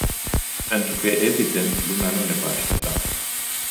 Pentru că, evident, lumea nu ne va aștepta.